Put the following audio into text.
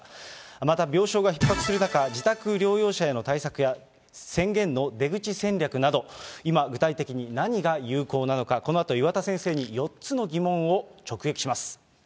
また、病床がひっ迫する中、自宅療養者への対策や、宣言の出口戦略など、今、具体的に何が有効なのか、このあと岩田先生に４つの疑問を直撃します。